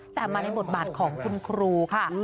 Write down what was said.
แต่มาในบทบาทของคุณครูค่ะ